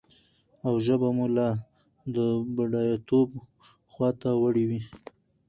او ژبه به مو لا د بډايتوب خواته وړي وي.